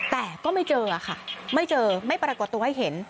แต่ก็ไม่เจอค่ะไม่เจอไม่ปรากฏตัวให้เห็น